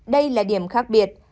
đây là điểm khác biệt